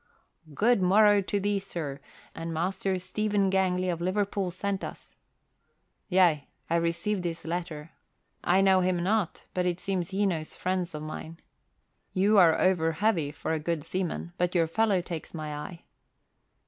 "Good morrow to thee, sir, and Master Stephen Gangley of Liverpool sent us " "Yea, I received his letter. I know him not, but it seems he knows friends of mine. You are over heavy for a good seaman but your fellow takes my eye."